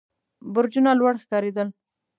برجونه لوړ ښکارېدل.